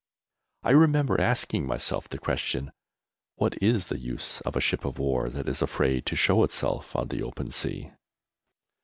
I remember asking myself the question, what is the use of a ship of war that is afraid to show itself on the open sea?